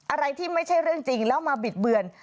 อะไรที่ไม่ใช่เรื่องจริงแล้วมาบิดเบือน